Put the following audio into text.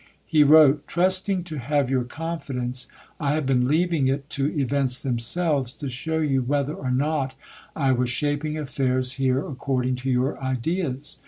He wrote : Trusting to have your confidence, I have been leaving it to events themselves to show you whether or not I was shaping affairs here according to your ideas.